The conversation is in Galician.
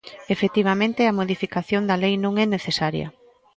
Efectivamente, a modificación da lei non é necesaria.